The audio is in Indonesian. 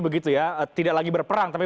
begitu ya tidak lagi berperang tapi